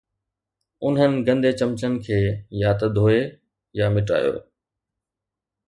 انهن گندي چمچن کي يا ته ڌوئي يا مٽايو